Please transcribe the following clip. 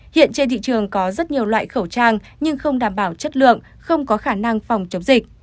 hiện trên thị trường có rất nhiều loại khẩu trang nhưng không đảm bảo chất lượng không có khả năng phòng chống dịch